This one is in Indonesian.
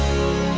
ya udah om baik